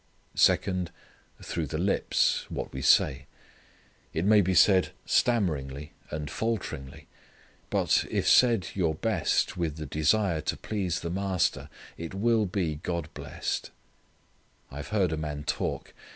Second: through the lips, what we say. It may be said stammeringly and falteringly. But if said your best with the desire to please the Master it will be God blest. I have heard a man talk.